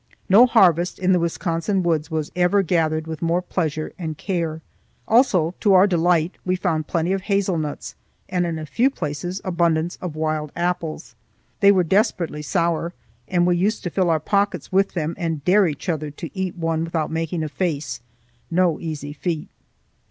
No harvest in the Wisconsin woods was ever gathered with more pleasure and care. Also, to our delight, we found plenty of hazelnuts, and in a few places abundance of wild apples. They were desperately sour, and we used to fill our pockets with them and dare each other to eat one without making a face,—no easy feat.